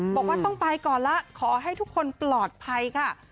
บอกว่าต้องไปก่อนละขอให้ทุกคนปลอดภัยค่ะ